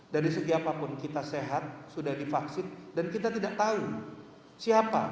dari segi apapun kita sehat sudah divaksin dan kita tidak tahu siapa